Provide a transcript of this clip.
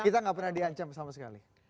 kita gak pernah di ancam sama sekali